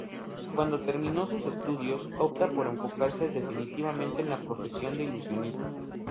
Cuando terminó sus estudios, opta por enfocarse definitivamente en la profesión de ilusionista.